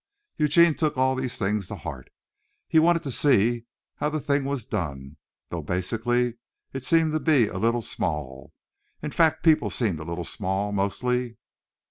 Eugene took all these things to heart. He wanted to see how the thing was done, though basically it seemed to be a little small. In fact people seemed a little small, mostly.